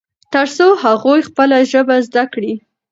ترڅو هغوی خپله ژبه زده کړي.